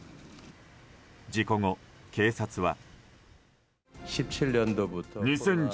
事故後、警察は。